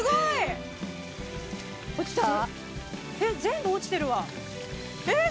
えっ全部落ちてるわえ！